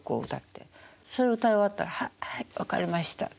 それ歌い終わったら「はい分かりました」って。